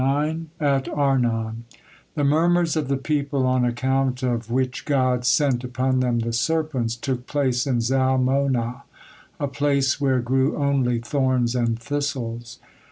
AT ARNON The murmurs of the people, on account of which God sent upon them the serpents, took place in Zalmonah, a place where grew only thorns and thistles.